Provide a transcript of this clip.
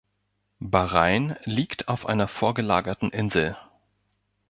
Bahrain liegt auf einer vorgelagerten Insel.